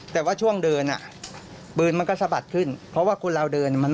แต่ว่าช่วงเดินอ่ะปืนมันก็สะบัดขึ้นเพราะว่าคนเราเดินมัน